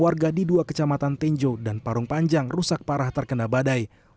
rusak parah terkena badai